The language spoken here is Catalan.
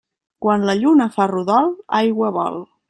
Quan la lluna fa ròdol, aigua vol.